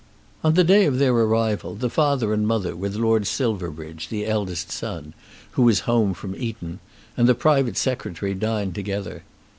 On the day of their arrival, the father and mother, with Lord Silverbridge, the eldest son, who was home from Eton, and the private Secretary dined together.